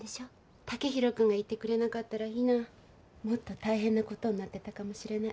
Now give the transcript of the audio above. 剛洋君がいてくれなかったらひなもっと大変なことになってたかもしれない。